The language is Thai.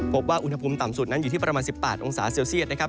พบว่าอุณหภูมิต่ำสุดนั้นอยู่ที่ประมาณ๑๘องศาเซลเซียตนะครับ